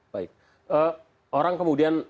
baik orang kemudian